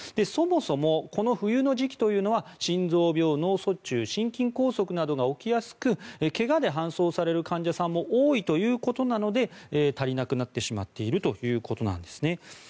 そもそもこの冬の時期というのは心臓病、脳卒中心筋梗塞などが起きやすく怪我で搬送される患者さんも多いということなので足りなくなってしまっているということなんですね。